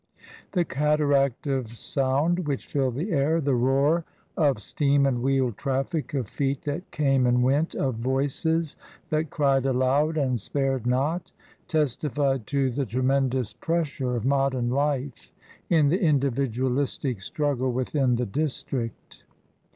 The cataract of sound which filled the air, the roar of steam and wheel traffic, of feet that came and went, of voices that cried aloud and spared not, testified to the tremen dous pressure of modern life in the individualistic strug gle within the district.